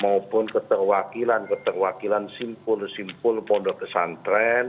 maupun keterwakilan keterwakilan simpul simpul pondok pesantren